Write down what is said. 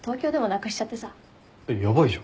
えっヤバいじゃん。